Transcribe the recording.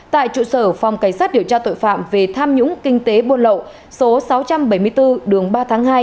tại trụ sở phòng cảnh sát điều tra tội phạm về tham nhũng kinh tế buôn lậu số sáu trăm bảy mươi bốn đường ba tháng hai